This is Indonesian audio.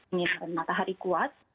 ini dengan matahari kuat